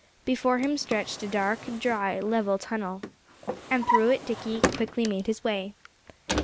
Before him stretched a dark, dry, level tunnel. And through it Dickie quickly made his way.